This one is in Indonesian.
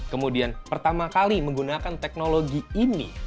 kemudian pertama kali menggunakan teknologi ini